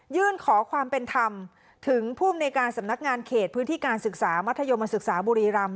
ยื่นขอความเป็นธรรมถึงภูมิในการสำนักงานเขตพื้นที่การศึกษามัธยมศึกษาบุรีรำ